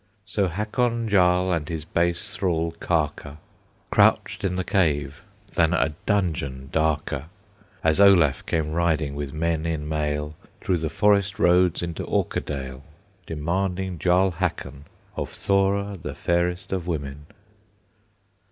So Hakon Jarl and his base thrall Karker Crouched in the cave, than a dungeon darker, As Olaf came riding, with men in mail, Through the forest roads into Orkadale, Demanding Jarl Hakon Of Thora, the fairest of women.